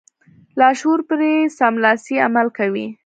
لاشعور پرې سملاسي عمل کوي.